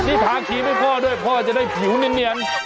นี่ทาครีมให้พ่อด้วยพ่อจะได้ผิวเนียน